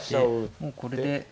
もうこれで。